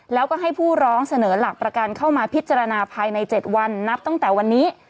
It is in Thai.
แล้วก็ให้ผู้ร้องเสนอหลักประกันเข้ามาพิจารณาภายใน๗วันนับตั้งแต่วันนี้